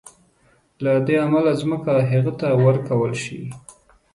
له دې امله ځمکه هغه ته ورکول شي.